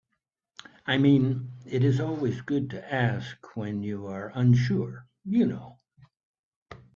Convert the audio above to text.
I mean, it is always good to ask when you are unsure, you know?